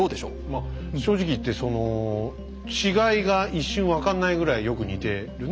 まあ正直言って違いが一瞬分かんないぐらいよく似てるね。